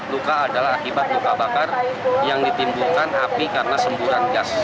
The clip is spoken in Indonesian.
luka adalah akibat luka bakar yang ditimbulkan api karena semburan gas